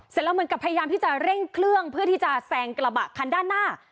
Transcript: เสร็จแล้วเหมือนกับพยายามที่จะเร่งเครื่องเพื่อที่จะแซงกระบะคันด้านหน้า